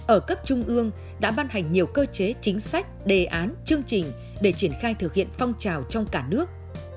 ở cấp trung ương đã ban hành nhiều cơ chế chính sách đề án chương trình để triển khai thực hiện phong trào trong cả nước